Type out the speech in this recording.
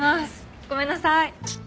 ごめんなさい。